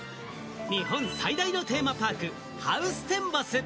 日本最大のテーマパーク・ハウステンボス。